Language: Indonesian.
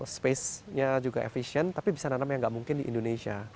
space nya juga efisien tapi bisa nanam yang gak mungkin di indonesia